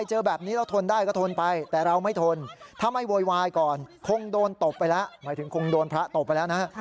จะไปก่อนคงโดนตบไปแล้วหมายถึงคงโดนพระตบไปแล้วนะฮะ